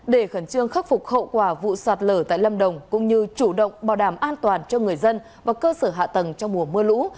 để khẩn trương khắc phục hậu quả vụ sạt lở tại lâm đồng cũng như chủ động bảo đảm an toàn cho người dân và cơ sở hạ tầng trong mùa mưa lũ